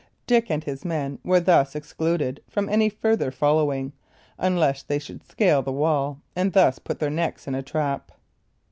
Dick and his men were thus excluded from any farther following, unless they should scale the wall and thus put their necks in a trap.